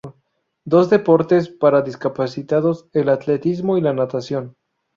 Dos deportes para discapacitados, el atletismo y la natación.